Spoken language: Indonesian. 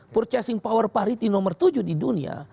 purchasing power parity nomor tujuh di dunia